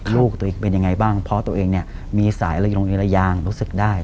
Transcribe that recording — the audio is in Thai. ลูกตัวเองเป็นยังไงบ้างเพราะตัวเองเนี่ยมีสายระยงระยางรู้สึกได้